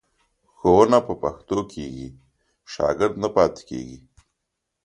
ښوونه په پښتو کېږي، شاګرد نه پاتې کېږي.